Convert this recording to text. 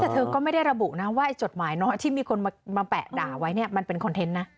แต่เธอก็ไม่ได้ระบุนะว่าไอ้จดหมายน้อยที่มีคนมาแปะด่าไว้เนี่ยมันเป็นคอนเทนต์นะ